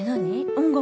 音楽。